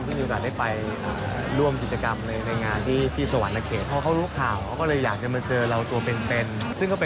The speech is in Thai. ที่มีโอกาสได้ไปร่วมกิจกรรมในงานที่สวรรค์ราเกษ